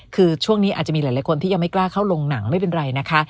คือช่วงนี้อาจจะมีหลายคนที่ยังไม่กล้าเข้าลงหนังไม่เป็นไรนะคะ